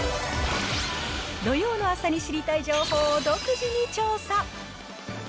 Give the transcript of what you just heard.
土曜の朝に知りたい情報を独自に調査。